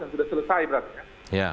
dan sudah selesai berarti